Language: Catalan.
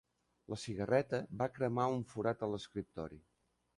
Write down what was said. La cigarreta va cremar un forat a l'escriptori.